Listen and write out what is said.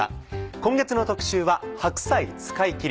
今月の特集は「白菜使い切り！」。